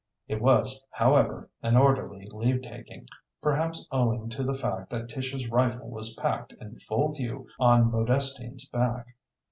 It was, however, an orderly leave taking, perhaps owing to the fact that Tish's rifle was packed in full view on Modestine's back.